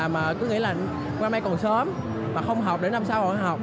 mà cứ nghĩ là qua mai còn sớm mà không học để năm sau còn học